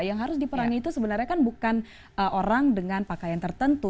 yang harus diperangi itu sebenarnya kan bukan orang dengan pakaian tertentu